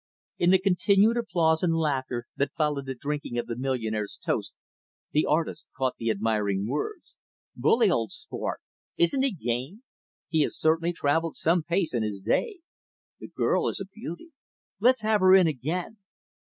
In the continued applause and laughter that followed the drinking of the millionaire's toast, the artist caught the admiring words, "Bully old sport." "Isn't he game?" "He has certainly traveled some pace in his day." "The girl is a beauty." "Let's have her in again."